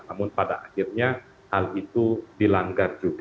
namun pada akhirnya hal itu dilanggar juga